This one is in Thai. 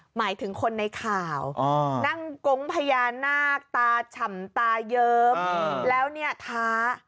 หมายถึงคนในข่าวนั่งกงพญานาคตาฉ่ำตาเยิ้มแล้วเนี่ยท้า